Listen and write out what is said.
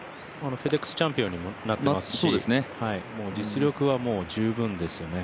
フェデックスチャンピオンになったし、実力は十分ですね。